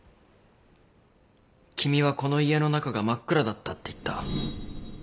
君はこの家の中が真っ暗だったって言った。